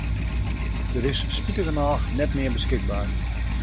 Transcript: Dy is spitigernôch net mear beskikber.